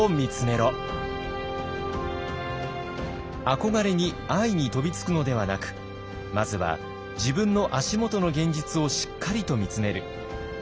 憧れに安易に飛びつくのではなくまずは自分の足元の現実をしっかりと見つめる。